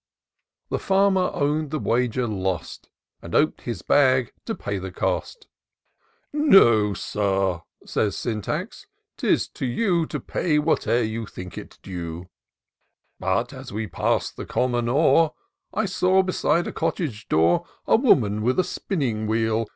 The Farmer own'd the wager lost. And op'd his bag to pay the cost ;" No Sir," says Sjoitax, " 'tis to you To pay where'er you think it due : But, as we pass'd the Common o'er, I saw, beside a cottage door, A woman with a spinning wheel.